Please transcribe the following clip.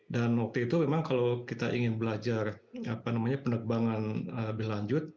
dan waktu itu memang kalau kita ingin belajar penerbangan berlanjut